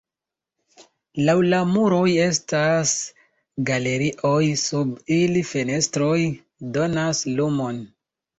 Laŭ la muroj estas galerioj, sub ili fenestroj donas lumon.